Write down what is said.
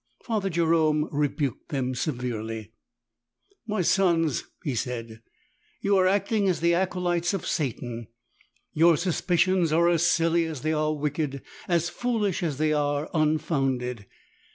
Father Jerome rebuked them severely. ''My sons,'' he said, "you are acting as the acolytes of Satan. Your suspicions are as silly as they are wicked, as foolish as they are unfounded.